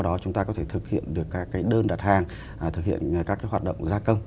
để thực hiện các cái hoạt động gia công